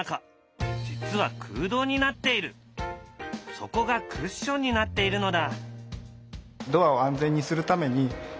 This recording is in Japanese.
そこがクッションになっているのだ。